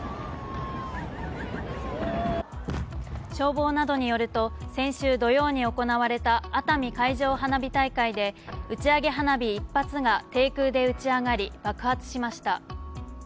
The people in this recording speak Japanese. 消防などによると先週土曜に行われた熱海海上花火大会で打ち上げ花火１発が低空で打ち上がり爆発しました。